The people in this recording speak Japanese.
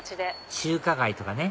中華街とかね